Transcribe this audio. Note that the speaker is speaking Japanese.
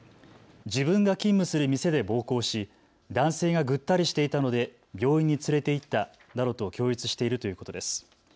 自分が勤務する店で暴行し男性がぐったりしていたので病院に連れていったなどと供述しているということです。